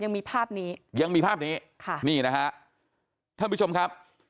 ยังมีภาพนี้ยังมีภาพนี้ค่ะนี่นะฮะท่านผู้ชมครับ